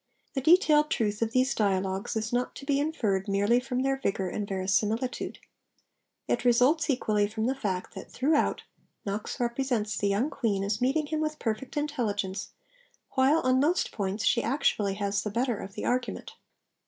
The detailed truth of these Dialogues is not to be inferred merely from their vigour and verisimilitude. It results equally from the fact that, throughout, Knox represents the young Queen as meeting him with perfect intelligence, while on most points she actually has the better of the argument.